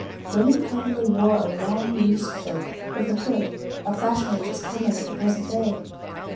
Women commonly wore a long loose cloak, with a hood, a fashion which is common at the present day.